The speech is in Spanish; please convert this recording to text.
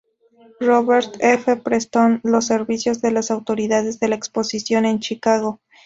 Robert F. Preston los envió a las autoridades de la exposición en Chicago.